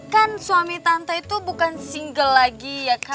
kan suami tante itu bukan single lagi ya kak